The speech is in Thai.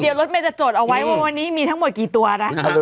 เดี๋ยวรถเมย์จะจดเอาไว้ว่าวันนี้มีทั้งหมดกี่ตัวนะ